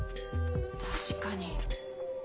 確かに。